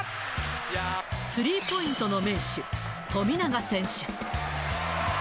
スリーポイントの名手、富永選手。